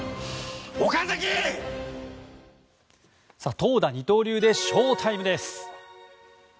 投打二刀流でショウタイムです。